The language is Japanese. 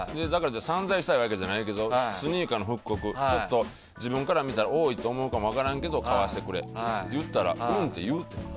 散財したいわけじゃないけどスニーカーの復刻自分から見たら多いと思うかも分からんけど買わせてくれって言ったらうんって言う。